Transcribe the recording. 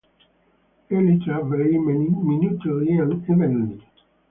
Elytra very minutely and evenly.